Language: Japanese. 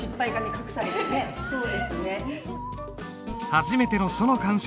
初めての書の鑑賞。